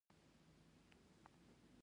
د خوب کوټې ته ورغلم او د جميله څنګ ته شوم.